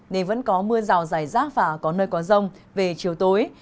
nên vẫn có mưa rào dài rác và có nơi có rông về chiều tối